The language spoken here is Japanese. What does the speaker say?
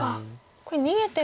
これ逃げても。